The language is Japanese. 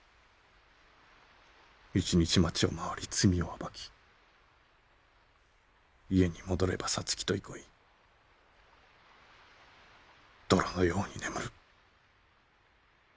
一日町を廻り罪を暴き家に戻れば皐月と憩い泥のように眠る。